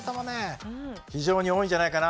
非常に多いんじゃないかなと思います。